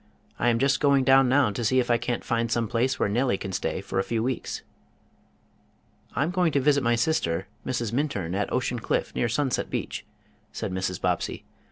"I am just going down now to see if I can't find some place where Nellie can stay for a few weeks." "I'm going to visit my sister, Mrs. Minturn, at Ocean Cliff, near Sunset Beach," said Mrs. Bobbsey.